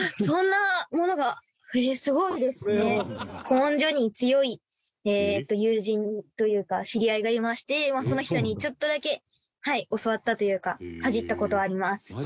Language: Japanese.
古文書に強い友人というか知り合いがいましてその人にちょっとだけ教わったというかかじった事はあります。